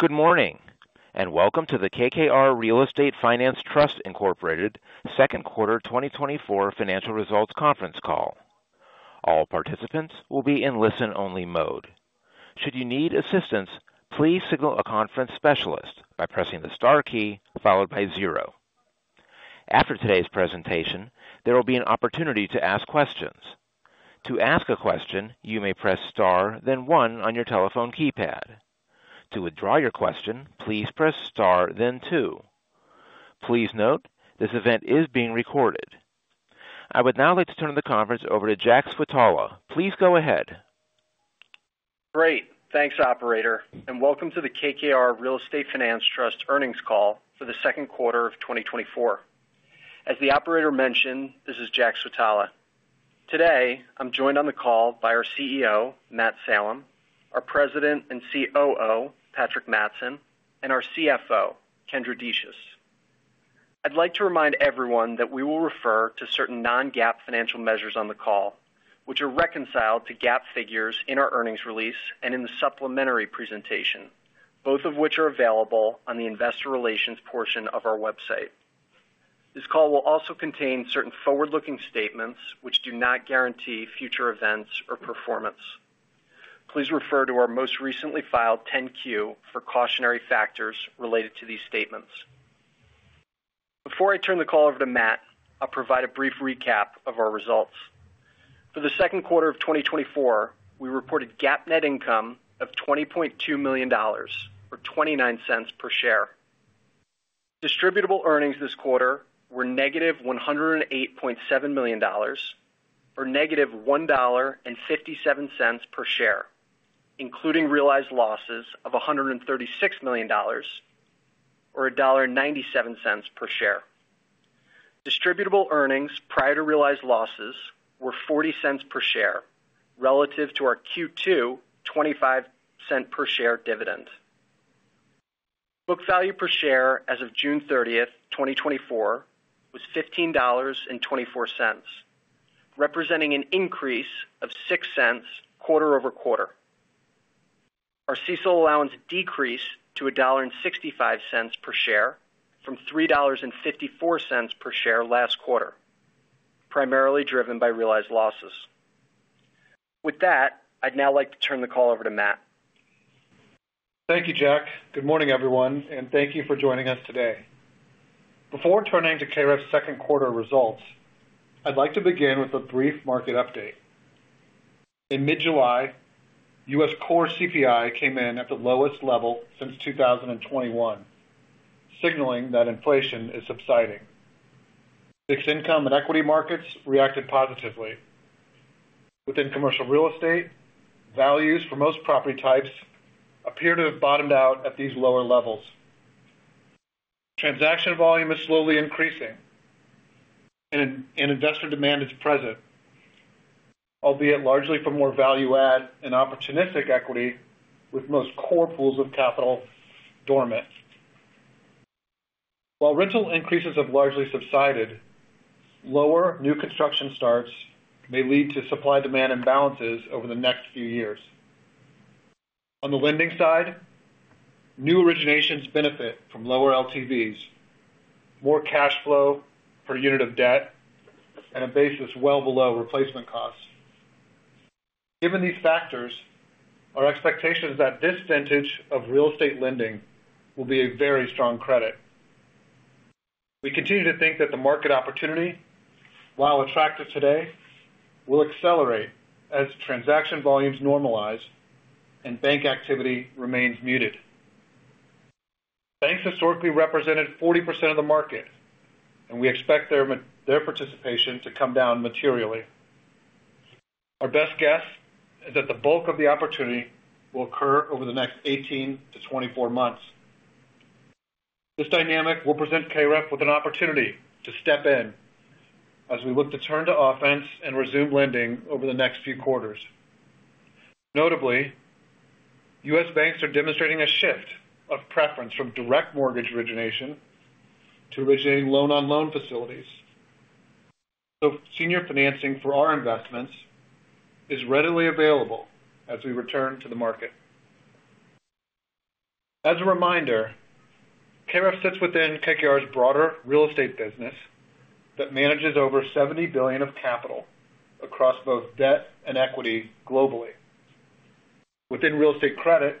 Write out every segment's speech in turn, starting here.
Good morning, and welcome to the KKR Real Estate Finance Trust Incorporated Second Quarter 2024 Financial Results Conference Call. All participants will be in listen-only mode. Should you need assistance, please signal a conference specialist by pressing the star key followed by zero. After today's presentation, there will be an opportunity to ask questions. To ask a question, you may press star, then one on your telephone keypad. To withdraw your question, please press star, then two. Please note, this event is being recorded. I would now like to turn the conference over to Jack Switala. Please go ahead. Great. Thanks, Operator. Welcome to the KKR Real Estate Finance Trust Earnings Call for the second quarter of 2024. As the Operator mentioned, this is Jack Switala. Today, I'm joined on the call by our CEO, Matt Salem, our President and COO, Patrick Mattson, and our CFO, Kendra Decious. I'd like to remind everyone that we will refer to certain non-GAAP financial measures on the call, which are reconciled to GAAP figures in our earnings release and in the supplementary presentation, both of which are available on the investor relations portion of our website. This call will also contain certain forward-looking statements which do not guarantee future events or performance. Please refer to our most recently filed 10-Q for cautionary factors related to these statements. Before I turn the call over to Matt, I'll provide a brief recap of our results. For the second quarter of 2024, we reported GAAP net income of $20.2 million or $0.29 per share. Distributable earnings this quarter were negative $108.7 million or negative $1.57 per share, including realized losses of $136 million or $1.97 per share. Distributable earnings prior to realized losses were $0.40 per share relative to our Q2 $0.25 per share dividend. Book value per share as of June 30th, 2024, was $15.24, representing an increase of $0.06 quarter-over-quarter. Our CECL allowance decreased to $1.65 per share from $3.54 per share last quarter, primarily driven by realized losses. With that, I'd now like to turn the call over to Matt. Thank you, Jack. Good morning, everyone, and thank you for joining us today. Before turning to KREF's second quarter results, I'd like to begin with a brief market update. In mid-July, U.S. core CPI came in at the lowest level since 2021, signaling that inflation is subsiding. Fixed income and equity markets reacted positively. Within commercial real estate, values for most property types appear to have bottomed out at these lower levels. Transaction volume is slowly increasing, and investor demand is present, albeit largely for more value-add and opportunistic equity, with most core pools of capital dormant. While rental increases have largely subsided, lower new construction starts may lead to supply-demand imbalances over the next few years. On the lending side, new originations benefit from lower LTVs, more cash flow per unit of debt, and a basis well below replacement costs. Given these factors, our expectation is that this vintage of real estate lending will be a very strong credit. We continue to think that the market opportunity, while attractive today, will accelerate as transaction volumes normalize and bank activity remains muted. Banks historically represented 40% of the market, and we expect their participation to come down materially. Our best guess is that the bulk of the opportunity will occur over the next 18-24 months. This dynamic will present KREF with an opportunity to step in as we look to turn to offense and resume lending over the next few quarters. Notably, U.S. banks are demonstrating a shift of preference from direct mortgage origination to originating loan-on-loan facilities, so senior financing for our investments is readily available as we return to the market. As a reminder, KREF sits within KKR's broader real estate business that manages over $70 billion of capital across both debt and equity globally. Within real estate credit,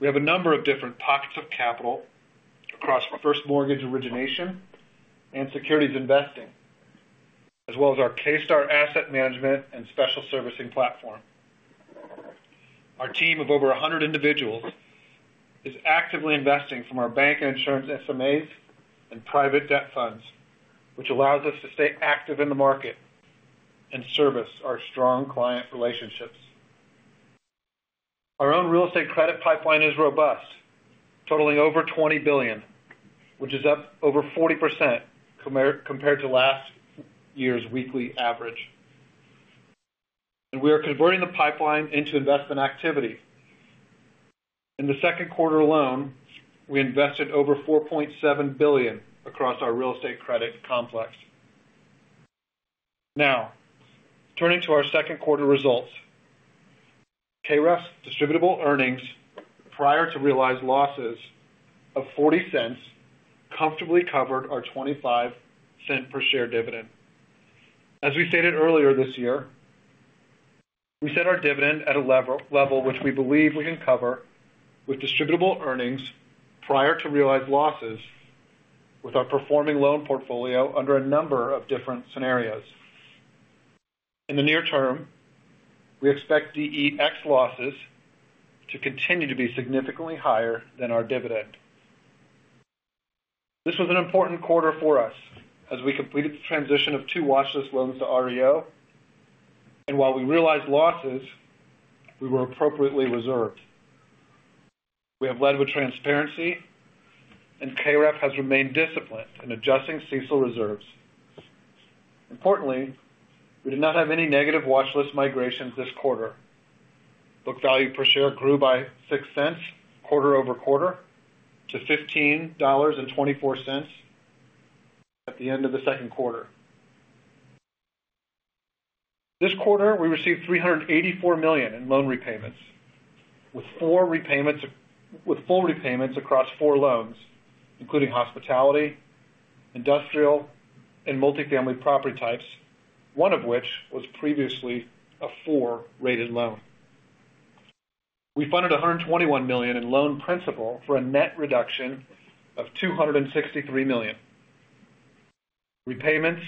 we have a number of different pockets of capital across first mortgage origination and securities investing, as well as our K-Star asset management and special servicing platform. Our team of over 100 individuals is actively investing from our bank and insurance SMAs and private debt funds, which allows us to stay active in the market and service our strong client relationships. Our own real estate credit pipeline is robust, totaling over $20 billion, which is up over 40% compared to last year's weekly average. We are converting the pipeline into investment activity. In the second quarter alone, we invested over $4.7 billion across our real estate credit complex. Now, turning to our second quarter results, KREF's distributable earnings prior to realized losses of $0.40 comfortably covered our $0.25 per share dividend. As we stated earlier this year, we set our dividend at a level which we believe we can cover with distributable earnings prior to realized losses with our performing loan portfolio under a number of different scenarios. In the near term, we expect REO losses to continue to be significantly higher than our dividend. This was an important quarter for us as we completed the transition of two watchlist loans to REO, and while we realized losses, we were appropriately reserved. We have led with transparency, and KREF has remained disciplined in adjusting CECL reserves. Importantly, we did not have any negative watchlist migrations this quarter. Book value per share grew by 6 cents quarter-over-quarter to $15.24 at the end of the second quarter. This quarter, we received $384 million in loan repayments, with full repayments across four loans, including hospitality, industrial, and multifamily property types, one of which was previously a four-rated loan. We funded $121 million in loan principal for a net reduction of $263 million. Repayments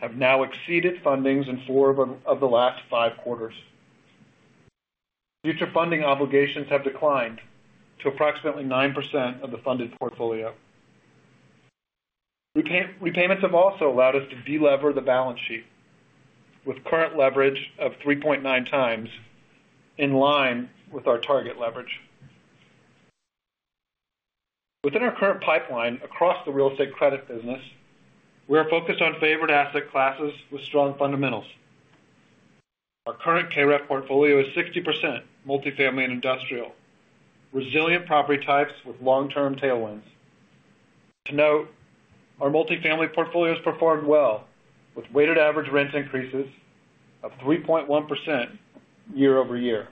have now exceeded fundings in four of the last five quarters. Future funding obligations have declined to approximately 9% of the funded portfolio. Repayments have also allowed us to de-lever the balance sheet with current leverage of 3.9x in line with our target leverage. Within our current pipeline across the real estate credit business, we are focused on favored asset classes with strong fundamentals. Our current KREF portfolio is 60% multifamily and industrial, resilient property types with long-term tailwinds. To note, our multifamily portfolio has performed well with weighted average rent increases of 3.1% year-over-year.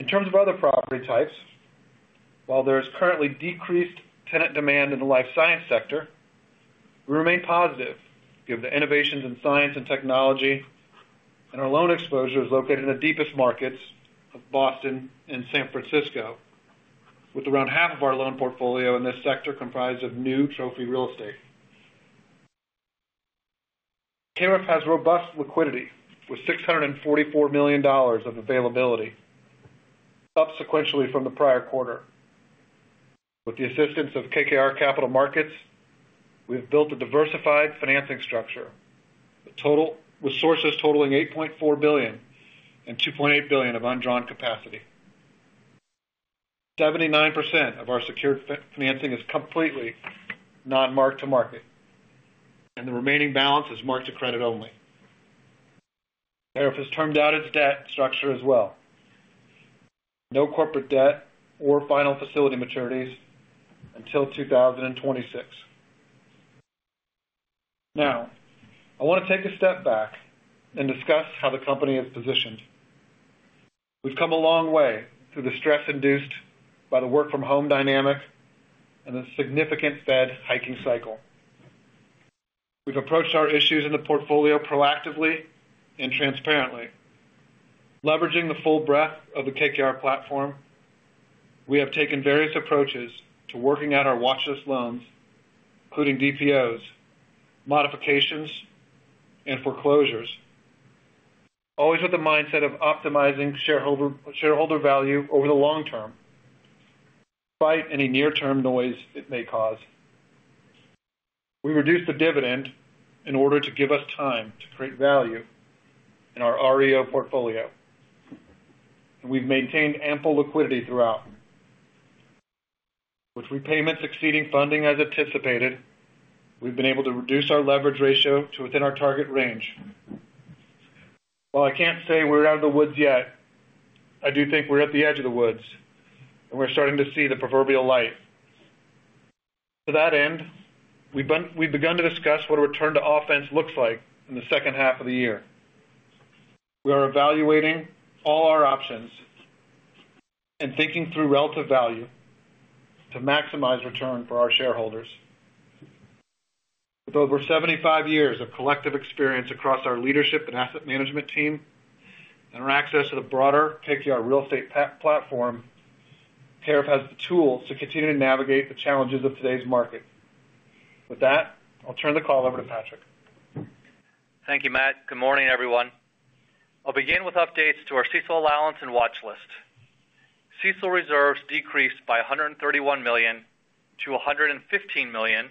In terms of other property types, while there is currently decreased tenant demand in the life science sector, we remain positive given the innovations in science and technology, and our loan exposure is located in the deepest markets of Boston and San Francisco, with around half of our loan portfolio in this sector comprised of new trophy real estate. KREF has robust liquidity with $644 million of availability, subsequent from the prior quarter. With the assistance of KKR Capital Markets, we have built a diversified financing structure, with sources totaling $8.4 billion and $2.8 billion of undrawn capacity. 79% of our secured financing is completely non-mark-to-market, and the remaining balance is marked to credit only. KREF has termed out its debt structure as well. No corporate debt or final facility maturities until 2026. Now, I want to take a step back and discuss how the company is positioned. We've come a long way through the stress induced by the work-from-home dynamic and the significant Fed hiking cycle. We've approached our issues in the portfolio proactively and transparently. Leveraging the full breadth of the KKR platform, we have taken various approaches to working out our watchlist loans, including DPOs, modifications, and foreclosures, always with the mindset of optimizing shareholder value over the long term despite any near-term noise it may cause. We reduced the dividend in order to give us time to create value in our REO portfolio, and we've maintained ample liquidity throughout. With repayments exceeding funding as anticipated, we've been able to reduce our leverage ratio to within our target range. While I can't say we're out of the woods yet, I do think we're at the edge of the woods, and we're starting to see the proverbial light. To that end, we've begun to discuss what a return to offense looks like in the second half of the year. We are evaluating all our options and thinking through relative value to maximize return for our shareholders. With over 75 years of collective experience across our leadership and asset management team and our access to the broader KKR real estate platform, KREF has the tools to continue to navigate the challenges of today's market. With that, I'll turn the call over to Patrick. Thank you, Matt. Good morning, everyone. I'll begin with updates to our CECL allowance and watchlist. CECL reserves decreased by $131 million to $115 million,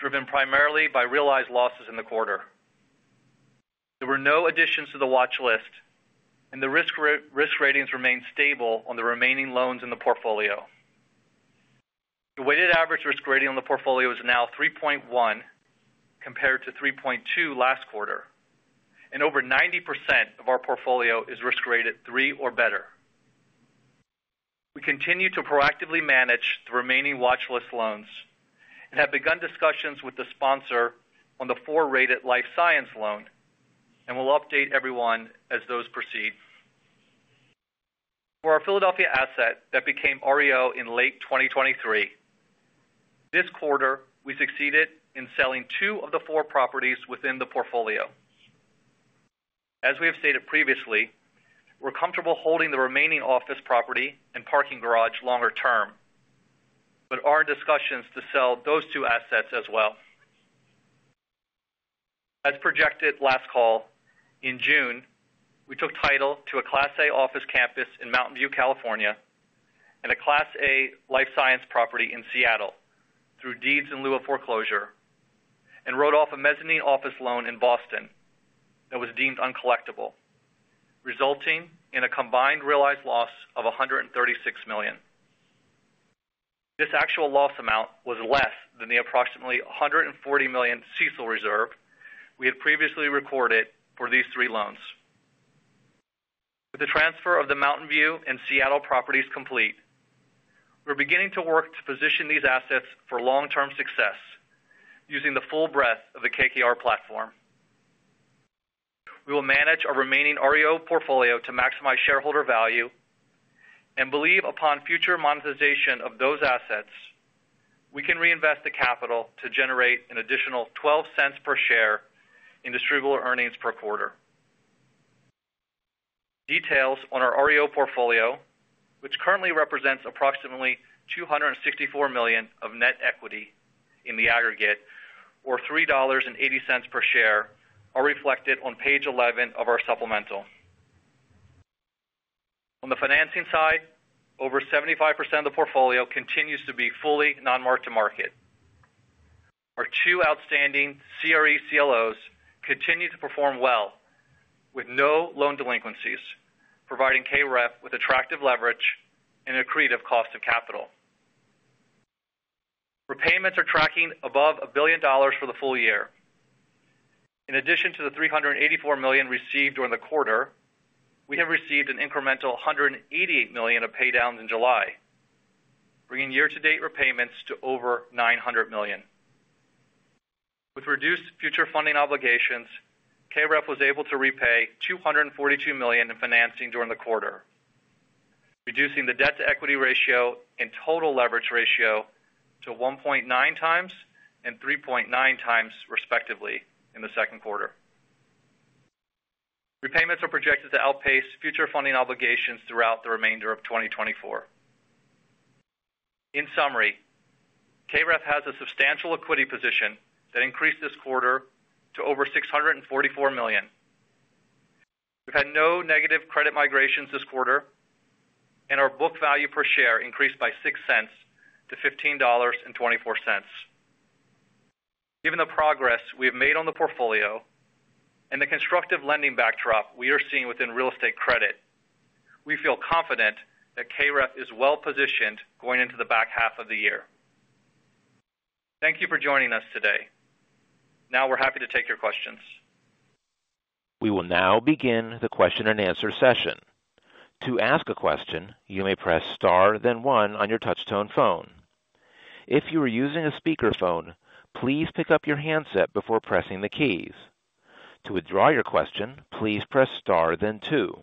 driven primarily by realized losses in the quarter. There were no additions to the watchlist, and the risk ratings remain stable on the remaining loans in the portfolio. The weighted average risk rating on the portfolio is now 3.1 compared to 3.2 last quarter, and over 90% of our portfolio is risk rated three or better. We continue to proactively manage the remaining watchlist loans and have begun discussions with the sponsor on the four-rated life science loan and will update everyone as those proceed. For our Philadelphia asset that became REO in late 2023, this quarter we succeeded in selling two of the four properties within the portfolio. As we have stated previously, we're comfortable holding the remaining office property and parking garage longer term, but are in discussions to sell those two assets as well. As projected last call, in June, we took title to a Class A office campus in Mountain View, California, and a Class A life science property in Seattle through deeds in lieu of foreclosure, and wrote off a mezzanine office loan in Boston that was deemed uncollectable, resulting in a combined realized loss of $136 million. This actual loss amount was less than the approximately $140 million CECL reserve we had previously recorded for these three loans. With the transfer of the Mountain View and Seattle properties complete, we're beginning to work to position these assets for long-term success using the full breadth of the KKR platform. We will manage our remaining REO portfolio to maximize shareholder value, and believe upon future monetization of those assets, we can reinvest the capital to generate an additional $0.12 per share in distributable earnings per quarter. Details on our REO portfolio, which currently represents approximately $264 million of net equity in the aggregate, or $3.80 per share, are reflected on page 11 of our supplemental. On the financing side, over 75% of the portfolio continues to be fully non-marked to market. Our two outstanding CRE CLOs continue to perform well with no loan delinquencies, providing KREF with attractive leverage and a creative cost of capital. Repayments are tracking above $1 billion for the full year. In addition to the $384 million received during the quarter, we have received an incremental $188 million of paydowns in July, bringing year-to-date repayments to over $900 million. With reduced future funding obligations, KREF was able to repay $242 million in financing during the quarter, reducing the debt-to-equity ratio and total leverage ratio to 1.9x and 3.9x, respectively, in the second quarter. Repayments are projected to outpace future funding obligations throughout the remainder of 2024. In summary, KREF has a substantial liquidity position that increased this quarter to over $644 million. We've had no negative credit migrations this quarter, and our book value per share increased by 6 cents to $15.24. Given the progress we have made on the portfolio and the constructive lending backdrop we are seeing within real estate credit, we feel confident that KREF is well-positioned going into the back half of the year. Thank you for joining us today. Now we're happy to take your questions. We will now begin the question-and-answer session. To ask a question, you may press star, then one on your touch-tone phone. If you are using a speakerphone, please pick up your handset before pressing the keys. To withdraw your question, please press star, then two.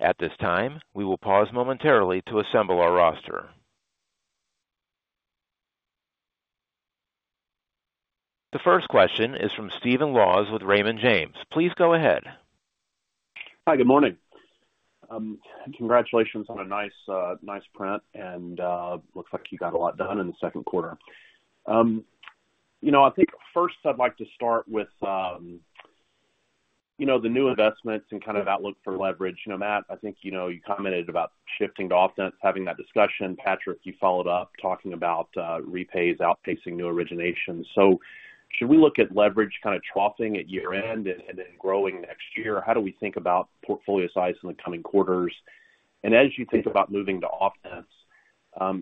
At this time, we will pause momentarily to assemble our roster. The first question is from Stephen Laws with Raymond James. Please go ahead. Hi, good morning. Congratulations on a nice print, and looks like you got a lot done in the second quarter. I think first I'd like to start with the new investments and kind of outlook for leverage. Matt, I think you commented about shifting to offense, having that discussion. Patrick, you followed up talking about repays outpacing new originations. So should we look at leverage kind of troughing at year-end and then growing next year? How do we think about portfolio size in the coming quarters? And as you think about moving to offense,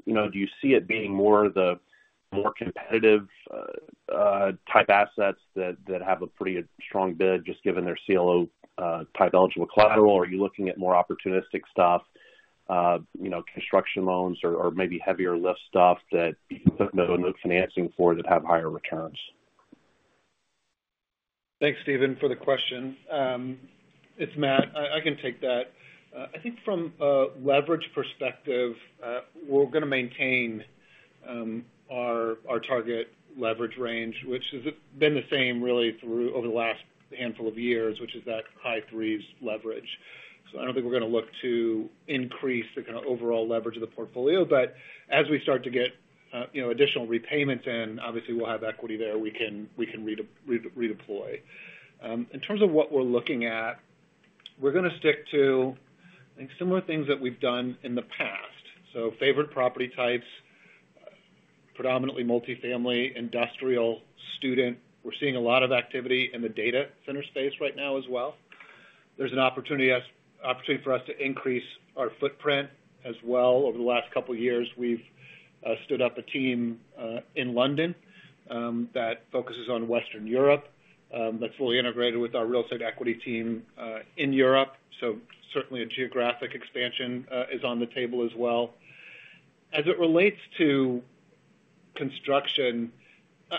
do you see it being more of the more competitive type assets that have a pretty strong bid just given their CLO-type eligible collateral? Are you looking at more opportunistic stuff, construction loans, or maybe heavier-lift stuff that you can put note financing for that have higher returns? Thanks, Steve, for the question. It's Matt. I can take that. I think from a leverage perspective, we're going to maintain our target leverage range, which has been the same really over the last handful of years, which is that high-threes leverage. So I don't think we're going to look to increase the kind of overall leverage of the portfolio. But as we start to get additional repayments in, obviously, we'll have equity there we can redeploy. In terms of what we're looking at, we're going to stick to, I think, similar things that we've done in the past. So favored property types, predominantly multifamily, industrial, student. We're seeing a lot of activity in the data center space right now as well. There's an opportunity for us to increase our footprint as well. Over the last couple of years, we've stood up a team in London that focuses on Western Europe that's fully integrated with our real estate equity team in Europe. So certainly, a geographic expansion is on the table as well. As it relates to construction,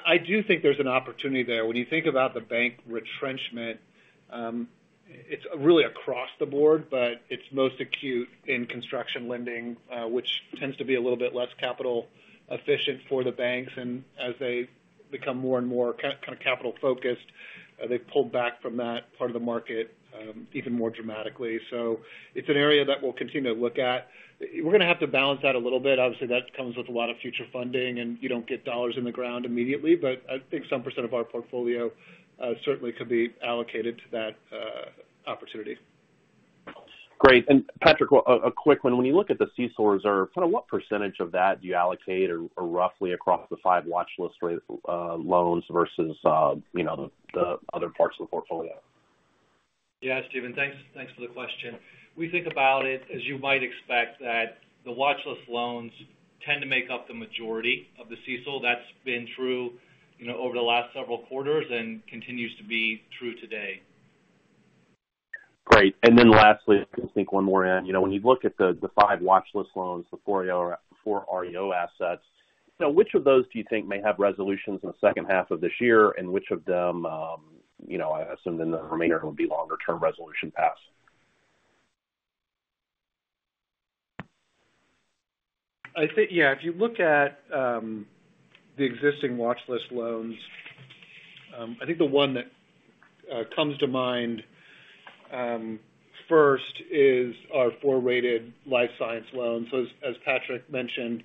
I do think there's an opportunity there. When you think about the bank retrenchment, it's really across the board, but it's most acute in construction lending, which tends to be a little bit less capital efficient for the banks. And as they become more and more kind of capital-focused, they've pulled back from that part of the market even more dramatically. So it's an area that we'll continue to look at. We're going to have to balance that a little bit. Obviously, that comes with a lot of future funding, and you don't get dollars in the ground immediately. I think some percent of our portfolio certainly could be allocated to that opportunity. Great. And Patrick, a quick one. When you look at the CECL reserve, kind of what percentage of that do you allocate roughly across the five watchlist loans versus the other parts of the portfolio? Yeah, Steve, thanks for the question. We think about it, as you might expect, that the watchlist loans tend to make up the majority of the CECL. That's been true over the last several quarters and continues to be true today. Great. Then lastly, I think one more in. When you look at the five watchlist loans, the four REO assets, which of those do you think may have resolutions in the second half of this year, and which of them, I assume, then the remainder would be longer-term resolution paths? Yeah. If you look at the existing watchlist loans, I think the one that comes to mind first is our four-rated life science loans. So as Patrick mentioned,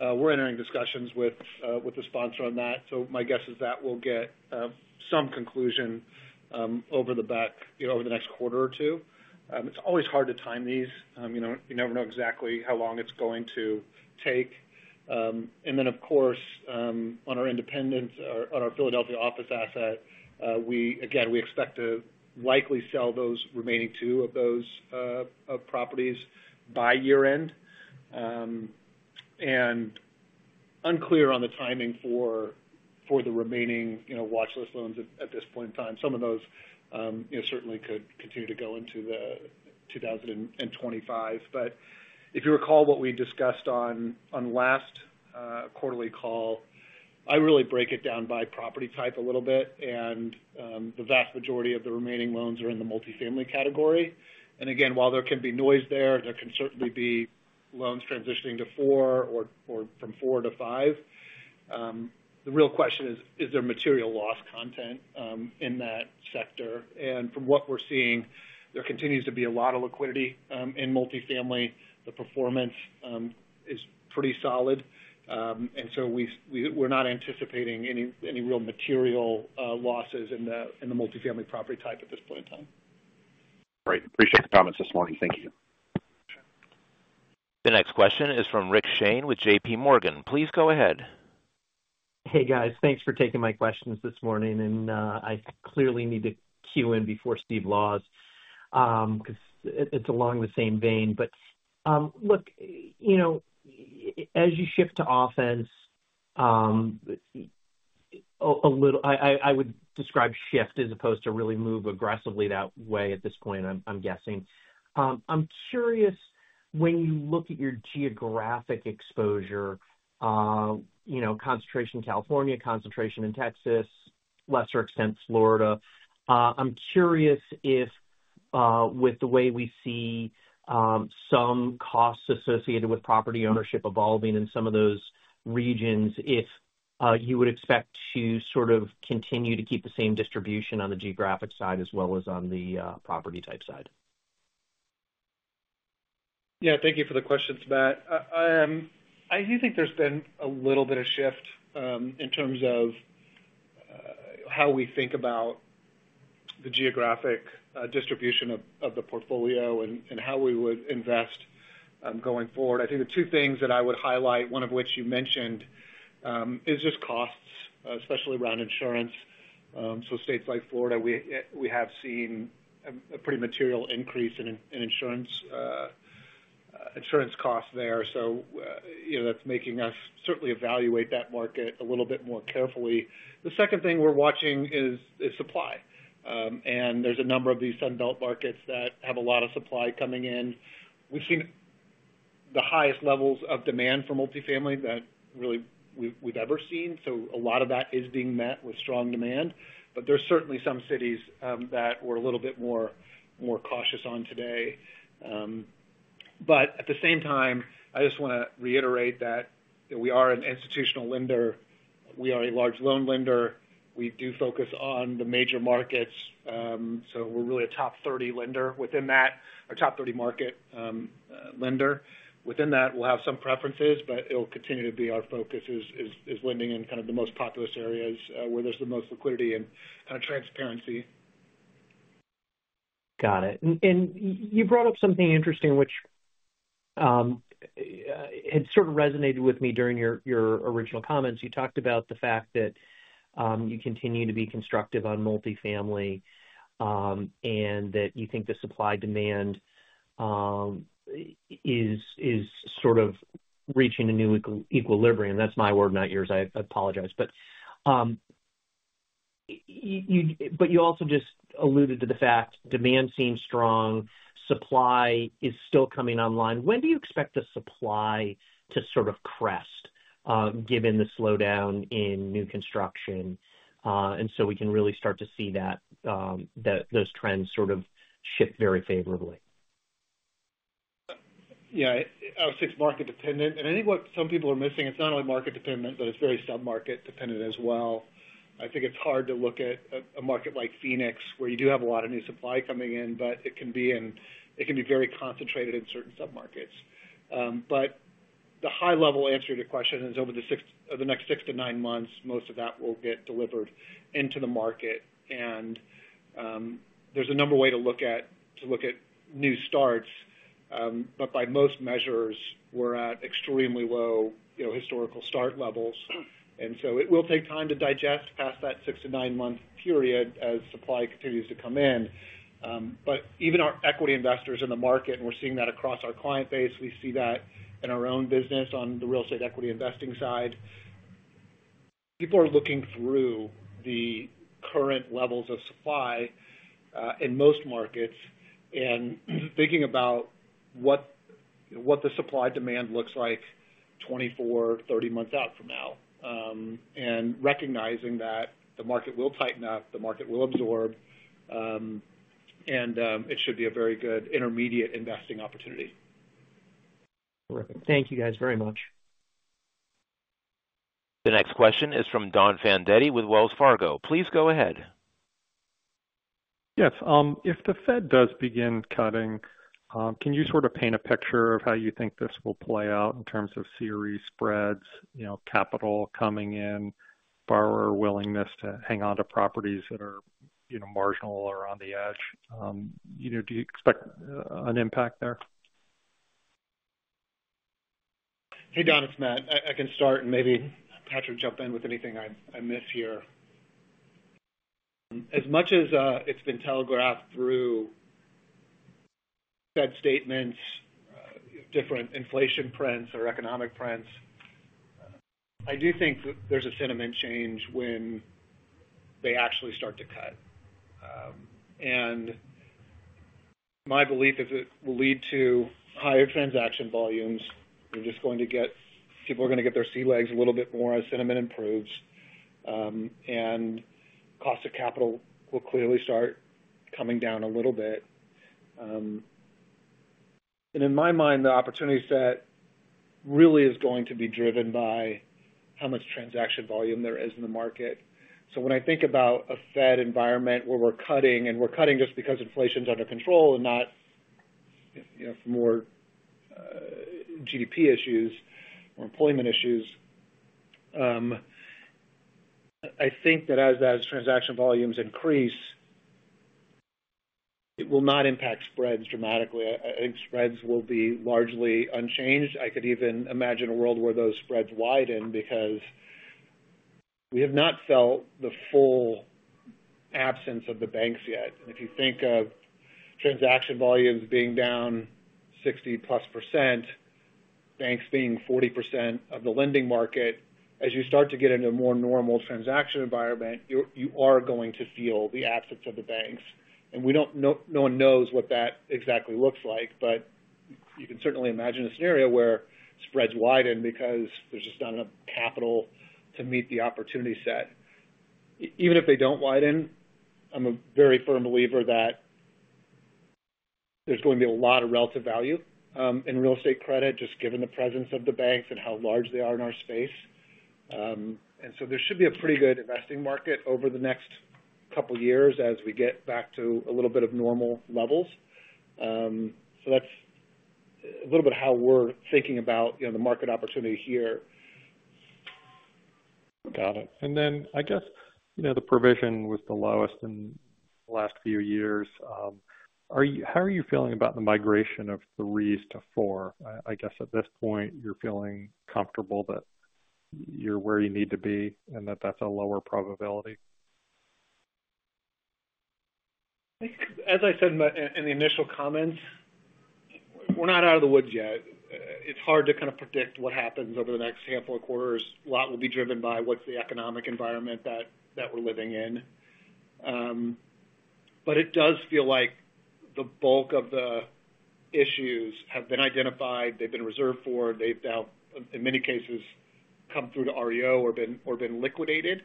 we're entering discussions with the sponsor on that. So my guess is that we'll get some conclusion over the next quarter or two. It's always hard to time these. You never know exactly how long it's going to take. And then, of course, on our independent or on our Philadelphia office asset, again, we expect to likely sell those remaining two of those properties by year-end. And unclear on the timing for the remaining watchlist loans at this point in time. Some of those certainly could continue to go into 2025. If you recall what we discussed on last quarterly call, I really break it down by property type a little bit, and the vast majority of the remaining loans are in the multifamily category. And again, while there can be noise there, there can certainly be loans transitioning to four or from four to five. The real question is, is there material loss content in that sector? And from what we're seeing, there continues to be a lot of liquidity in multifamily. The performance is pretty solid. And so we're not anticipating any real material losses in the multifamily property type at this point in time. Great. Appreciate the comments this morning. Thank you. The next question is from Rick Shane with JPMorgan. Please go ahead. Hey, guys. Thanks for taking my questions this morning. I clearly need to cue in before Steve Laws because it's along the same vein. But look, as you shift to offense, I would describe shift as opposed to really move aggressively that way at this point, I'm guessing. I'm curious, when you look at your geographic exposure, concentration in California, concentration in Texas, lesser extent Florida, I'm curious if, with the way we see some costs associated with property ownership evolving in some of those regions, if you would expect to sort of continue to keep the same distribution on the geographic side as well as on the property type side. Yeah. Thank you for the questions, Matt. I do think there's been a little bit of shift in terms of how we think about the geographic distribution of the portfolio and how we would invest going forward. I think the two things that I would highlight, one of which you mentioned, is just costs, especially around insurance. So states like Florida, we have seen a pretty material increase in insurance costs there. So that's making us certainly evaluate that market a little bit more carefully. The second thing we're watching is supply. And there's a number of these Sunbelt markets that have a lot of supply coming in. We've seen the highest levels of demand for multifamily that really we've ever seen. So a lot of that is being met with strong demand. But there's certainly some cities that we're a little bit more cautious on today. But at the same time, I just want to reiterate that we are an institutional lender. We are a large loan lender. We do focus on the major markets. So we're really a top 30 lender within that, or top 30 market lender. Within that, we'll have some preferences, but it'll continue to be our focus is lending in kind of the most populous areas where there's the most liquidity and kind of transparency. Got it. And you brought up something interesting which had sort of resonated with me during your original comments. You talked about the fact that you continue to be constructive on multifamily and that you think the supply-demand is sort of reaching a new equilibrium. That's my word, not yours. I apologize. But you also just alluded to the fact demand seems strong. Supply is still coming online. When do you expect the supply to sort of crest given the slowdown in new construction and so we can really start to see those trends sort of shift very favorably? Yeah. I would say it's market-dependent. And I think what some people are missing, it's not only market-dependent, but it's very sub-market-dependent as well. I think it's hard to look at a market like Phoenix where you do have a lot of new supply coming in, but it can be very concentrated in certain sub-markets. But the high-level answer to your question is over the next 6-9 months, most of that will get delivered into the market. And there's a number of ways to look at new starts. But by most measures, we're at extremely low historical start levels. And so it will take time to digest past that 6-9-month period as supply continues to come in. But even our equity investors in the market, and we're seeing that across our client base. We see that in our own business on the real estate equity investing side. People are looking through the current levels of supply in most markets and thinking about what the supply-demand looks like 24-30 months out from now and recognizing that the market will tighten up, the market will absorb, and it should be a very good intermediate investing opportunity. Terrific. Thank you guys very much. The next question is from Don Fandetti with Wells Fargo. Please go ahead. Yes. If the Fed does begin cutting, can you sort of paint a picture of how you think this will play out in terms of CRE spreads, capital coming in, borrower willingness to hang on to properties that are marginal or on the edge? Do you expect an impact there? Hey, Don, it's Matt. I can start, and maybe Patrick jump in with anything I miss here. As much as it's been telegraphed through Fed statements, different inflation prints or economic prints, I do think there's a sentiment change when they actually start to cut. And my belief is it will lead to higher transaction volumes. You're just going to get people are going to get their sea legs a little bit more as sentiment improves. And cost of capital will clearly start coming down a little bit. And in my mind, the opportunity set really is going to be driven by how much transaction volume there is in the market. So when I think about a Fed environment where we're cutting, and we're cutting just because inflation's under control and not for more GDP issues or employment issues, I think that as transaction volumes increase, it will not impact spreads dramatically. I think spreads will be largely unchanged. I could even imagine a world where those spreads widen because we have not felt the full absence of the banks yet. And if you think of transaction volumes being down 60%+, banks being 40% of the lending market, as you start to get into a more normal transaction environment, you are going to feel the absence of the banks. And no one knows what that exactly looks like, but you can certainly imagine a scenario where spreads widen because there's just not enough capital to meet the opportunity set. Even if they don't widen, I'm a very firm believer that there's going to be a lot of relative value in real estate credit just given the presence of the banks and how large they are in our space. And so there should be a pretty good investing market over the next couple of years as we get back to a little bit of normal levels. So that's a little bit how we're thinking about the market opportunity here. Got it. And then I guess the provision was the lowest in the last few years. How are you feeling about the migration of 3 to 4? I guess at this point, you're feeling comfortable that you're where you need to be and that that's a lower probability? As I said in the initial comments, we're not out of the woods yet. It's hard to kind of predict what happens over the next handful of quarters. A lot will be driven by what's the economic environment that we're living in. But it does feel like the bulk of the issues have been identified. They've been reserved for. They've now, in many cases, come through to REO or been liquidated.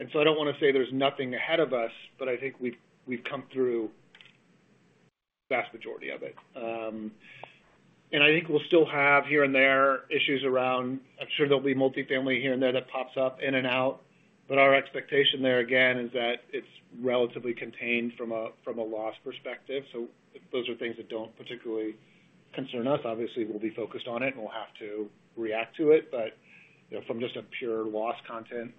And so I don't want to say there's nothing ahead of us, but I think we've come through the vast majority of it. And I think we'll still have here and there issues around. I'm sure there'll be multifamily here and there that pops up in and out. But our expectation there again is that it's relatively contained from a loss perspective. So those are things that don't particularly concern us. Obviously, we'll be focused on it, and we'll have to react to it. But from just a pure loss content,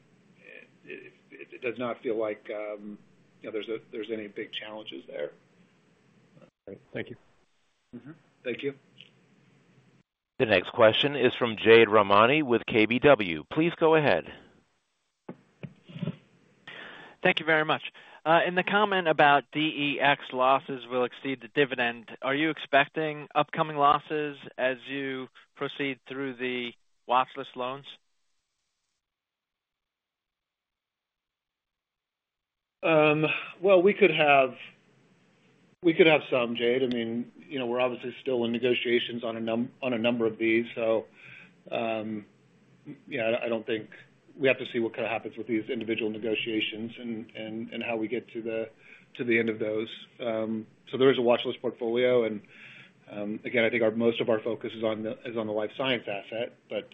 it does not feel like there's any big challenges there. Great. Thank you. Thank you. The next question is from Jade Rahmani with KBW. Please go ahead. Thank you very much. In the comment about CECL losses will exceed the dividend, are you expecting upcoming losses as you proceed through the watchlist loans? Well, we could have some, Jade. I mean, we're obviously still in negotiations on a number of these. So yeah, I don't think we have to see what kind of happens with these individual negotiations and how we get to the end of those. So there is a watchlist portfolio. And again, I think most of our focus is on the life science asset, but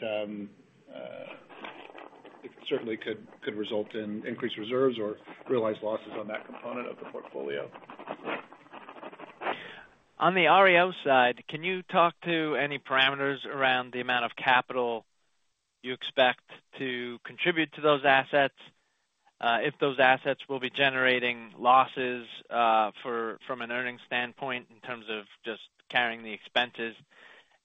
it certainly could result in increased reserves or realized losses on that component of the portfolio. On the REO side, can you talk to any parameters around the amount of capital you expect to contribute to those assets if those assets will be generating losses from an earnings standpoint in terms of just carrying the expenses?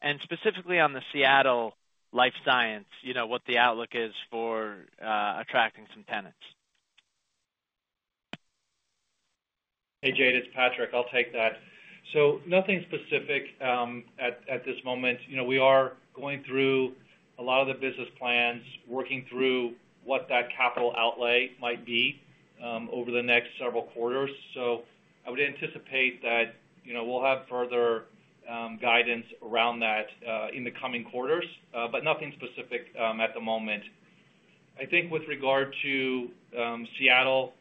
And specifically on the Seattle life science, what the outlook is for attracting some tenants? Hey, Jade, it's Patrick. I'll take that. So nothing specific at this moment. We are going through a lot of the business plans, working through what that capital outlay might be over the next several quarters. So I would anticipate that we'll have further guidance around that in the coming quarters, but nothing specific at the moment. I think with regard to Seattle,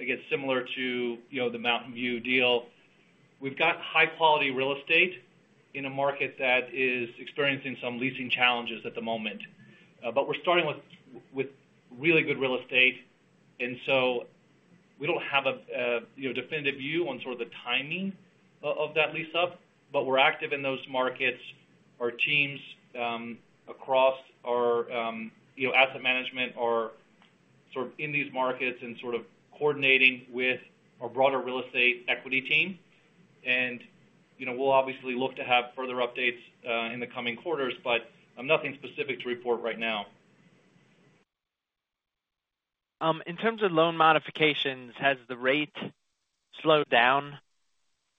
again, similar to the Mountain View deal, we've got high-quality real estate in a market that is experiencing some leasing challenges at the moment. But we're starting with really good real estate. And so we don't have a definitive view on sort of the timing of that lease-up, but we're active in those markets. Our teams across our asset management are sort of in these markets and sort of coordinating with our broader real estate equity team. We'll obviously look to have further updates in the coming quarters, but nothing specific to report right now. In terms of loan modifications, has the rate slowed down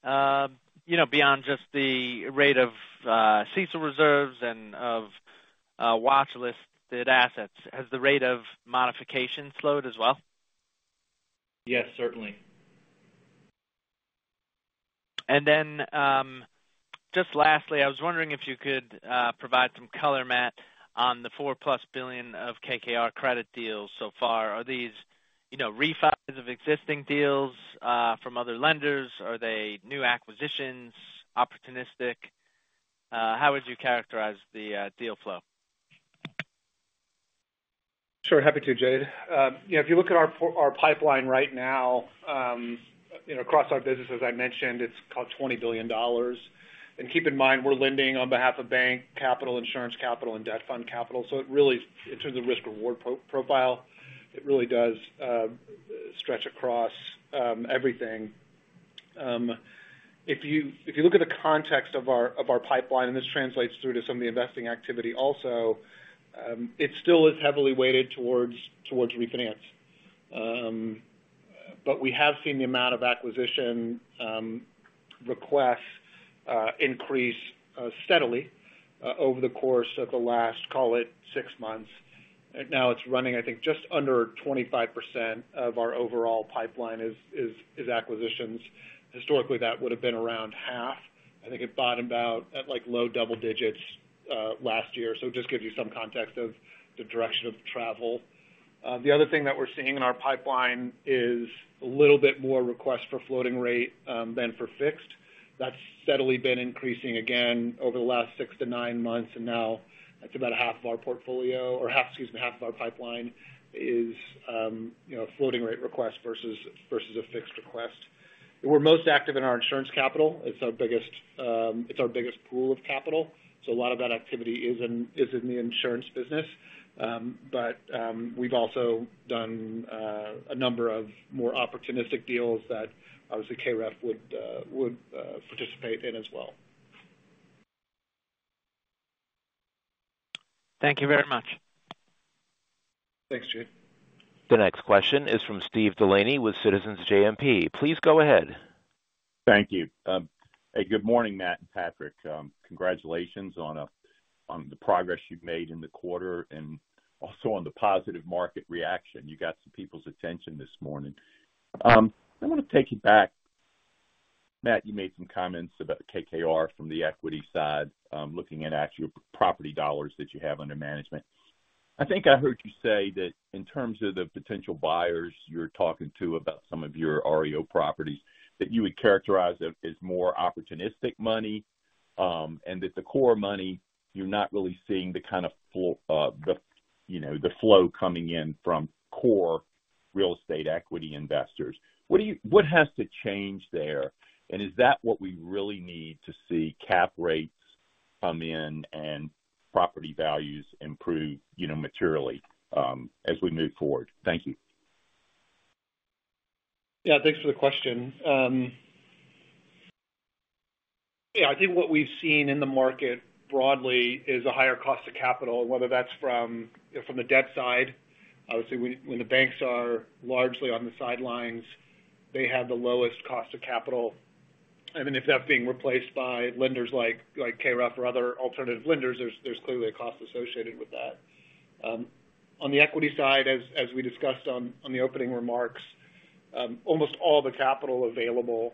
beyond just the rate of CECL reserves and of watchlisted assets? Has the rate of modification slowed as well? Yes, certainly. And then just lastly, I was wondering if you could provide some color, Matt, on the $4+ billion of KKR credit deals so far. Are these refunds of existing deals from other lenders? Are they new acquisitions, opportunistic? How would you characterize the deal flow? Sure. Happy to, Jade. If you look at our pipeline right now across our business, as I mentioned, it's called $20 billion. Keep in mind, we're lending on behalf of bank, capital, insurance capital, and debt fund capital. In terms of risk-reward profile, it really does stretch across everything. If you look at the context of our pipeline, and this translates through to some of the investing activity also, it still is heavily weighted towards refinance. We have seen the amount of acquisition requests increase steadily over the course of the last, call it, six months. Now it's running, I think, just under 25% of our overall pipeline is acquisitions. Historically, that would have been around half. I think it bottomed out at low double digits last year. It just gives you some context of the direction of travel. The other thing that we're seeing in our pipeline is a little bit more requests for floating rate than for fixed. That's steadily been increasing again over the last 6-9 months. And now it's about half of our portfolio or half, excuse me, half of our pipeline is floating rate requests versus a fixed request. We're most active in our insurance capital. It's our biggest pool of capital. So a lot of that activity is in the insurance business. But we've also done a number of more opportunistic deals that obviously KREF would participate in as well. Thank you very much. Thanks, Jade. The next question is from Steve Delaney with Citizens JMP. Please go ahead. Thank you. Hey, good morning, Matt and Patrick. Congratulations on the progress you've made in the quarter and also on the positive market reaction. You got some people's attention this morning. I want to take you back. Matt, you made some comments about KKR from the equity side, looking at your property dollars that you have under management. I think I heard you say that in terms of the potential buyers you're talking to about some of your REO properties, that you would characterize it as more opportunistic money and that the core money, you're not really seeing the kind of the flow coming in from core real estate equity investors. What has to change there? And is that what we really need to see cap rates come in and property values improve materially as we move forward? Thank you. Yeah. Thanks for the question. Yeah. I think what we've seen in the market broadly is a higher cost of capital, whether that's from the debt side. I would say when the banks are largely on the sidelines, they have the lowest cost of capital. And then if that's being replaced by lenders like KREF or other alternative lenders, there's clearly a cost associated with that. On the equity side, as we discussed on the opening remarks, almost all the capital available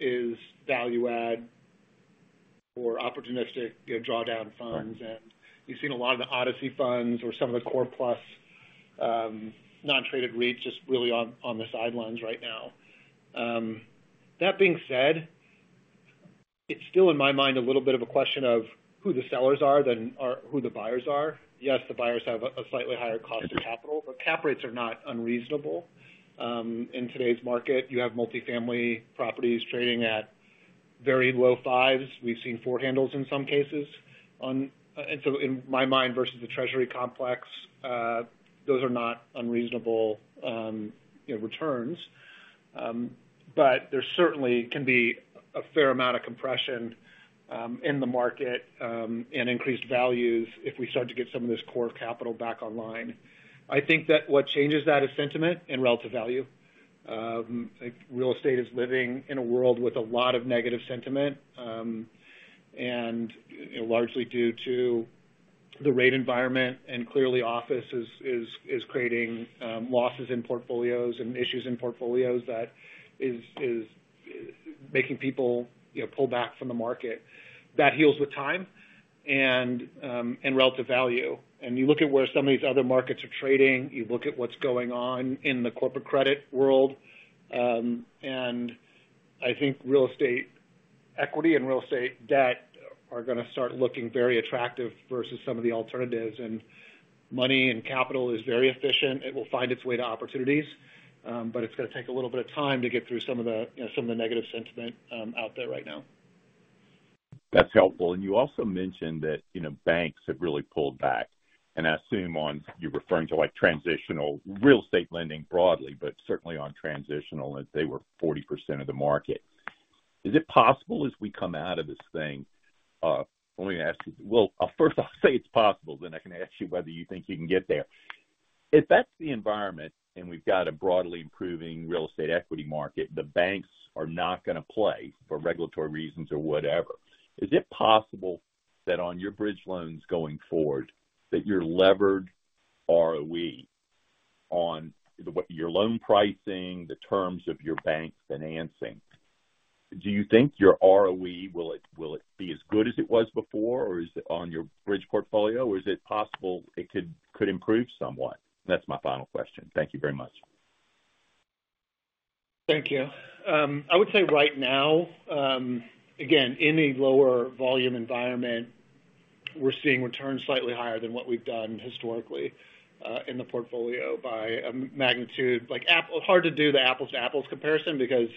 is value-add or opportunistic drawdown funds. And you've seen a lot of the ODCE funds or some of the core plus non-traded REITs just really on the sidelines right now. That being said, it's still in my mind a little bit of a question of who the sellers are than who the buyers are. Yes, the buyers have a slightly higher cost of capital, but cap rates are not unreasonable. In today's market, you have multifamily properties trading at very low fives. We've seen four handles in some cases. And so in my mind versus the Treasury complex, those are not unreasonable returns. But there certainly can be a fair amount of compression in the market and increased values if we start to get some of this core capital back online. I think that what changes that is sentiment and relative value. Real estate is living in a world with a lot of negative sentiment and largely due to the rate environment. And clearly, office is creating losses in portfolios and issues in portfolios that is making people pull back from the market. That heals with time and relative value. And you look at where some of these other markets are trading. You look at what's going on in the corporate credit world. I think real estate equity and real estate debt are going to start looking very attractive versus some of the alternatives. Money and capital is very efficient. It will find its way to opportunities, but it's going to take a little bit of time to get through some of the negative sentiment out there right now. That's helpful. You also mentioned that banks have really pulled back. I assume you're referring to transitional real estate lending broadly, but certainly on transitional, they were 40% of the market. Is it possible as we come out of this thing? Let me ask you. Well, first, I'll say it's possible. Then I can ask you whether you think you can get there. If that's the environment and we've got a broadly improving real estate equity market, the banks are not going to play for regulatory reasons or whatever. Is it possible that on your bridge loans going forward, that your levered ROE on your loan pricing, the terms of your bank financing, do you think your ROE, will it be as good as it was before, or is it on your bridge portfolio, or is it possible it could improve somewhat? That's my final question. Thank you very much. Thank you. I would say right now, again, in a lower volume environment, we're seeing returns slightly higher than what we've done historically in the portfolio by a magnitude. It's hard to do the apples-to-apples comparison because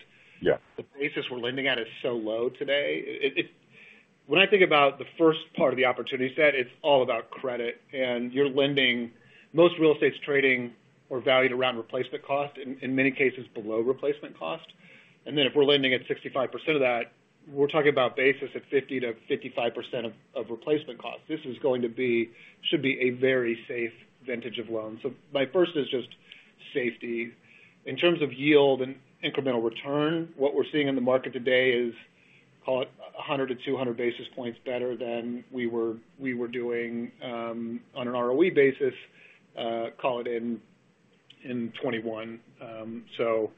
the basis we're lending at is so low today. When I think about the first part of the opportunity set, it's all about credit. And most real estate's trading or valued around replacement cost, in many cases below replacement cost. And then if we're lending at 65% of that, we're talking about basis at 50%-55% of replacement cost. This is going to be should be a very safe vintage of loans. So my first is just safety. In terms of yield and incremental return, what we're seeing in the market today is, call it, 100-200 basis points better than we were doing on an ROE basis, call it, in 2021. So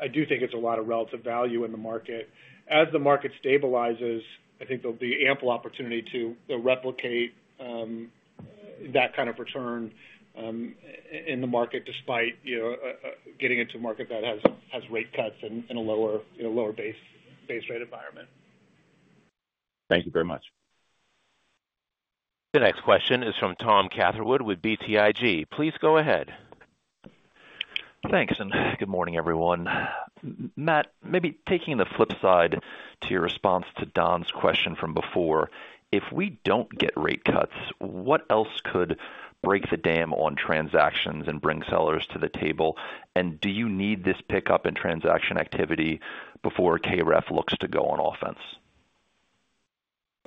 I do think it's a lot of relative value in the market. As the market stabilizes, I think there'll be ample opportunity to replicate that kind of return in the market despite getting into a market that has rate cuts and a lower base rate environment. Thank you very much. The next question is from Tom Catherwood with BTIG. Please go ahead. Thanks. Good morning, everyone. Matt, maybe taking the flip side to your response to Don's question from before, if we don't get rate cuts, what else could break the dam on transactions and bring sellers to the table? Do you need this pickup in transaction activity before KREF looks to go on offense?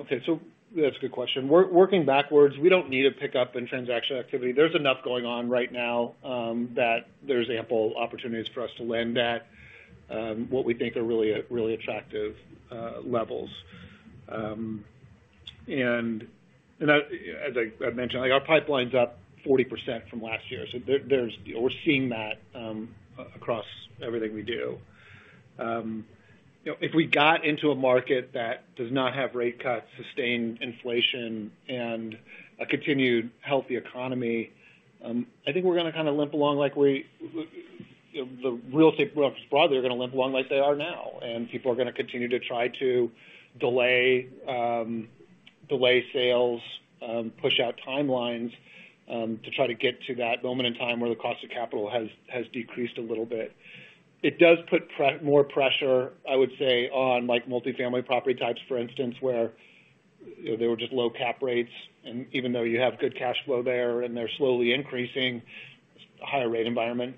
Okay. So that's a good question. Working backwards, we don't need a pickup in transaction activity. There's enough going on right now that there's ample opportunities for us to lend at what we think are really attractive levels. And as I mentioned, our pipeline's up 40% from last year. So we're seeing that across everything we do. If we got into a market that does not have rate cuts, sustained inflation, and a continued healthy economy, I think we're going to kind of limp along like the real estate brokers broadly are going to limp along like they are now. And people are going to continue to try to delay sales, push out timelines to try to get to that moment in time where the cost of capital has decreased a little bit. It does put more pressure, I would say, on multifamily property types, for instance, where there were just low cap rates. And even though you have good cash flow there and they're slowly increasing, a higher rate environment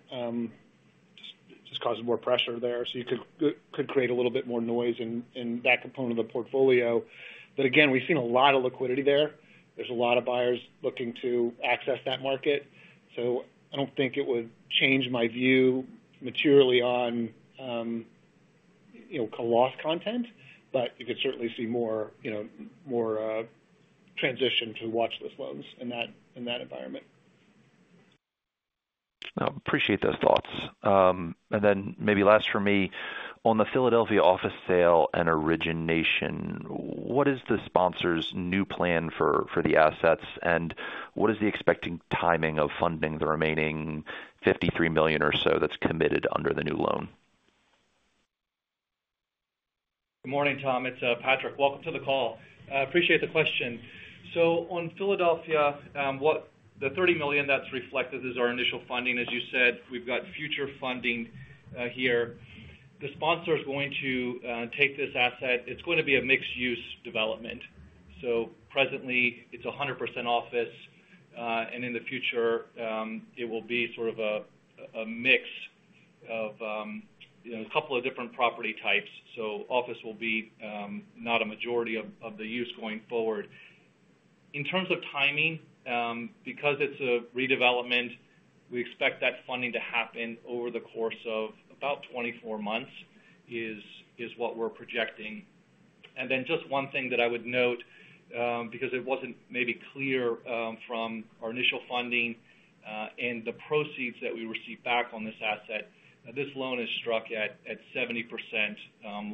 just causes more pressure there. So you could create a little bit more noise in that component of the portfolio. But again, we've seen a lot of liquidity there. There's a lot of buyers looking to access that market. So I don't think it would change my view materially on cost content, but you could certainly see more transition to watchlist loans in that environment. Appreciate those thoughts. And then maybe last for me, on the Philadelphia office sale and origination, what is the sponsor's new plan for the assets? And what is the expected timing of funding the remaining $53 million or so that's committed under the new loan? Good morning, Tom. It's Patrick. Welcome to the call. Appreciate the question. So on Philadelphia, the $30 million that's reflected is our initial funding. As you said, we've got future funding here. The sponsor is going to take this asset. It's going to be a mixed-use development. So presently, it's 100% office. And in the future, it will be sort of a mix of a couple of different property types. So office will be not a majority of the use going forward. In terms of timing, because it's a redevelopment, we expect that funding to happen over the course of about 24 months is what we're projecting. And then just one thing that I would note, because it wasn't maybe clear from our initial funding and the proceeds that we receive back on this asset, this loan is struck at 70%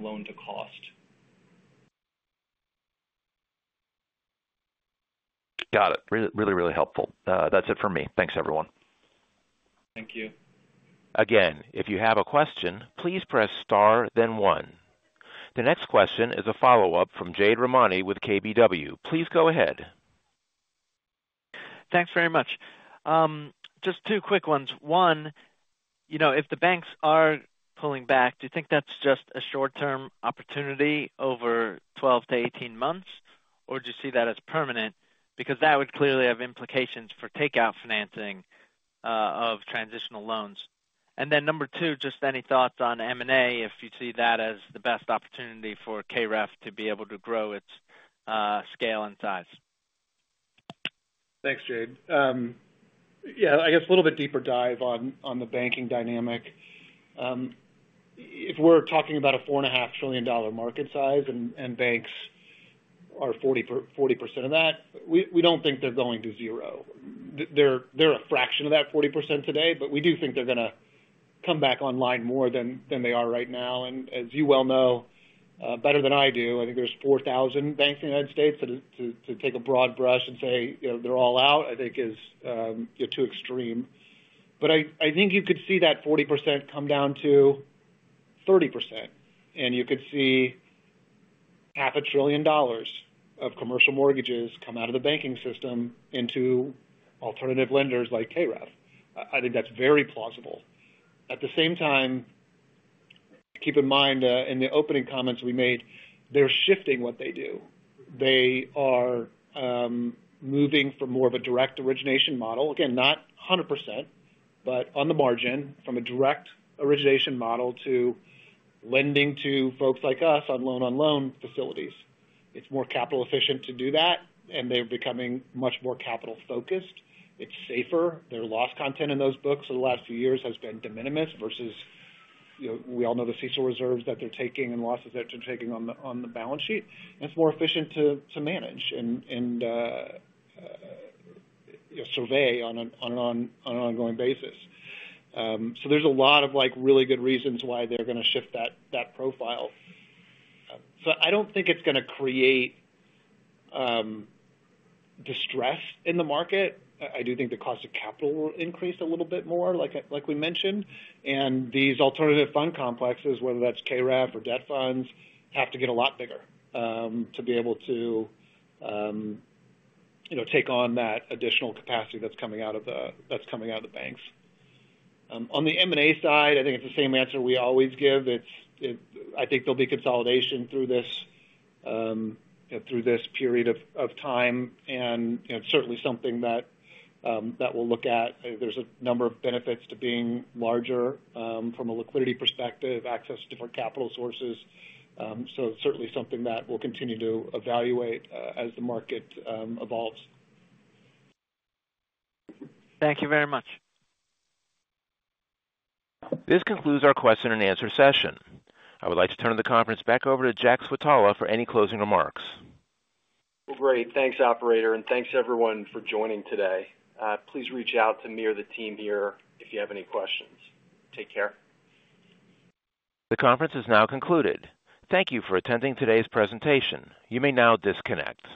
loan-to-cost. Got it. Really, really helpful. That's it for me. Thanks, everyone. Thank you. Again, if you have a question, please press star, then one. The next question is a follow-up from Jade Rahmani with KBW. Please go ahead. Thanks very much. Just two quick ones. One, if the banks are pulling back, do you think that's just a short-term opportunity over 12-18 months, or do you see that as permanent? Because that would clearly have implications for takeout financing of transitional loans. And then number two, just any thoughts on M&A, if you see that as the best opportunity for KREF to be able to grow its scale and size? Thanks, Jade. Yeah. I guess a little bit deeper dive on the banking dynamic. If we're talking about a $4.5 trillion market size and banks are 40% of that, we don't think they're going to zero. They're a fraction of that 40% today, but we do think they're going to come back online more than they are right now. And as you well know, better than I do, I think there's 4,000 banks in the United States to take a broad brush and say they're all out, I think is too extreme. But I think you could see that 40% come down to 30%. And you could see $500 billion of commercial mortgages come out of the banking system into alternative lenders like KREF. I think that's very plausible. At the same time, keep in mind, in the opening comments we made, they're shifting what they do. They are moving from more of a direct origination model, again, not 100%, but on the margin from a direct origination model to lending to folks like us on loan-on-loan facilities. It's more capital-efficient to do that, and they're becoming much more capital-focused. It's safer. Their loss content in those books for the last few years has been de minimis versus we all know the CECL reserves that they're taking and losses that they're taking on the balance sheet. And it's more efficient to manage and survey on an ongoing basis. So there's a lot of really good reasons why they're going to shift that profile. So I don't think it's going to create distress in the market. I do think the cost of capital will increase a little bit more, like we mentioned. These alternative fund complexes, whether that's KREF or debt funds, have to get a lot bigger to be able to take on that additional capacity that's coming out of the banks. On the M&A side, I think it's the same answer we always give. I think there'll be consolidation through this period of time. It's certainly something that we'll look at. There's a number of benefits to being larger from a liquidity perspective, access to different capital sources. It's certainly something that we'll continue to evaluate as the market evolves. Thank you very much. This concludes our question and answer session. I would like to turn the conference back over to Jack Switala for any closing remarks. Well, great. Thanks, operator. Thanks, everyone, for joining today. Please reach out to me or the team here if you have any questions. Take care. The conference is now concluded. Thank you for attending today's presentation. You may now disconnect.